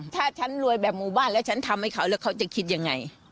ถ้าฉันรวยแบบหมู่บ้านแล้วฉันทำให้เขาแล้วเขาจะคิดยังไง